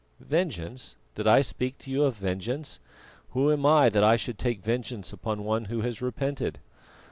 "Vengeance! Did I speak to you of vengeance? Who am I that I should take vengeance upon one who has repented?